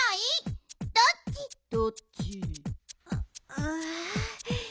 うん。